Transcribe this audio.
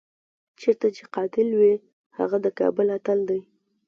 چېرته چې قاتل وي هغه د کابل اتل دی.